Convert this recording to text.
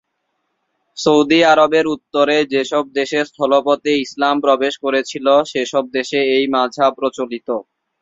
Saudi আরবের উত্তরে যে সব দেশে স্থলপথে ইসলাম প্রবেশ করেছিল সে সব দেশে এই মাযহাব প্রচলিত।